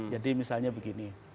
jadi misalnya begini